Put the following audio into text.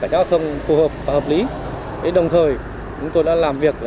cảnh giao thông phù hợp và hợp lý đồng thời chúng tôi đã làm việc